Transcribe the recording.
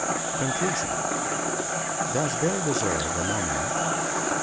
CONCLUSION DOES BILL DESERVE A MONUMENT?